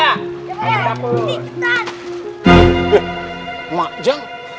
eh mak jang